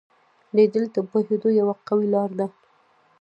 لیدل د پوهېدو یوه قوي لار ده